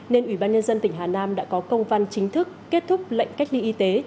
nên ủy ban nhân dân tỉnh hà nam đã có công văn chính thức kết thúc lệnh cách ly y tế